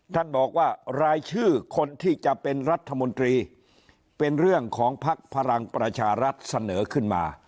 ท่านบอกว่ารายชื่อคนที่จะเป็นรัฐมนตรีเป็นเรื่องของภักดิ์พลังประชารัฐเสนอขึ้นมา